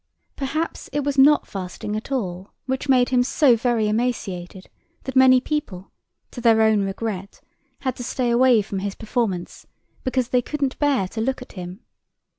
Perhaps it was not fasting at all which made him so very emaciated that many people, to their own regret, had to stay away from his performance, because they couldn't bear to look at him.